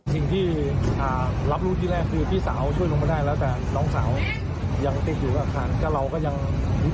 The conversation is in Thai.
เห็นว่าหลานสาวพึ่งมาจากออสเตอรียะครับ